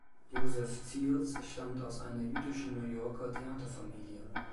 Joseph Fields stammt aus einer jüdischen New Yorker Theaterfamilie.